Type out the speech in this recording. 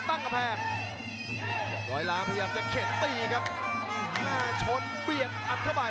ตีครับมีหน้าชนเบียดอัดเข้าไป